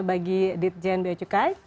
bagi ditjen becukai